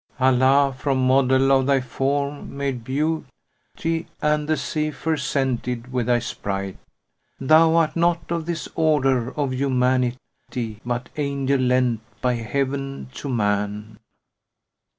Allah from model of thy form made Beau * ty and the Zephyr scented with thy sprite. Thou art not of this order of human * ity but angel lent by Heaven to man."